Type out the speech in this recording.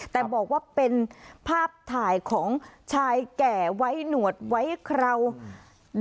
แต่บอกว่าเป็นภาพถ่ายของชายแก่ไว้หนวดไว้คราว